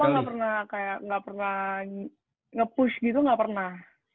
papa gak pernah kayak gak pernah nge push gitu gak pernah